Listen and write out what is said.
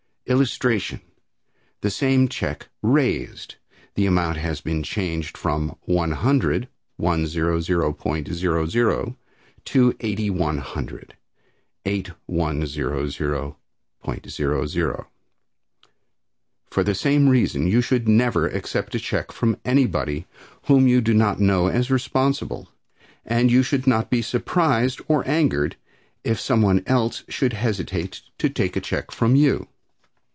] [Illustration: The Same Check "Raised". The amount has been changed from One Hundred/100.00 to Eighty One Hundred/$8100.00.] For the same reason you should never accept a check from anybody whom you do not know as responsible, and you should not be surprised or angered if some one else should hesitate to take a check from you.